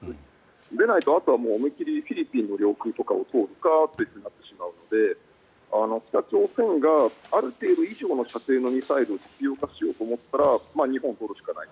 でないと、あとは思いっ切りフィリピンの領空とかを通るかとなってしまうので北朝鮮がある程度以上の射程のミサイルを実用化しようと思ったら日本を通るしかない。